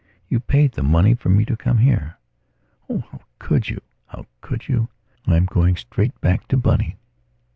You paid the money for me to come here. Oh, how could you? How could you? I am going straight back to Bunny...."